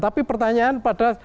tapi pertanyaan pada